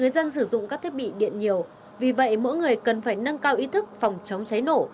người dân sử dụng các thiết bị điện nhiều vì vậy mỗi người cần phải nâng cao ý thức phòng chống cháy nổ